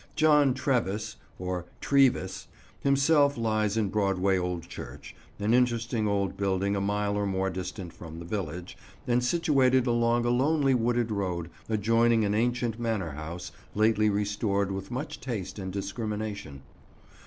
John Trevis—or "Treavis"—himself lies in Broadway old church, an interesting old building a mile or more distant from the village, and situated along a lonely wooded road, adjoining an ancient manor house lately restored with much taste and discrimination.